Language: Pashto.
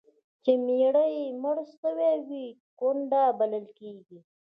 چي میړه یې مړ سوی وي، کونډه بلل کیږي.